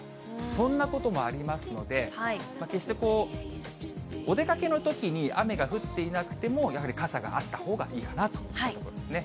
そんなこともありますので、お出かけのときに、雨が降っていなくても、やはり傘があったほうがいいかなということですね。